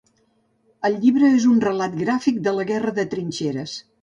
El llibre és un relat gràfic de la guerra de trinxeres.